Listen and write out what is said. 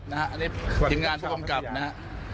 อันนี้ทีมงานผู้กำกับนะครับ